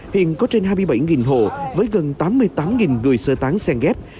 hiện có trên hai mươi bảy hộ với gần tám mươi tám người sơ tán sen ghép